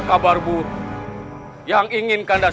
saya lebih eigenen insya allah